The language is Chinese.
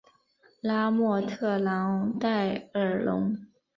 拉莫特朗代尔龙。